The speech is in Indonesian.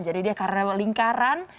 jadi dia karena lingkaran